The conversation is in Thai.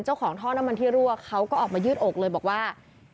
เจ้าของท่อน้ำมันที่รั่วเขาก็ออกมายืดอกเลยบอกว่า